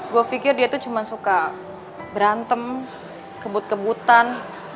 gue pikir dia tuh cuma suka berantem kebut kebutan